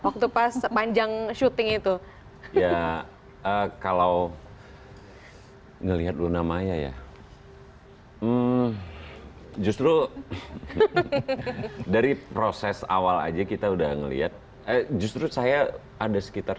kalau ngelihat luna maya ya justru dari proses awal aja kita udah ngelihat justru saya ada sekitar